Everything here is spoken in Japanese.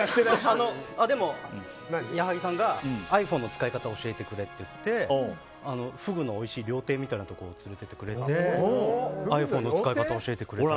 でも、矢作さんがｉＰｈｏｎｅの使い方を教えてくれって言ってフグのおいしい料亭みたいなところに連れて行ってくれてｉＰｈｏｎｅの使い方を教えてくれって。